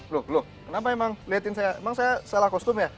loh loh kenapa emang liatin saya emang saya salah kostum ya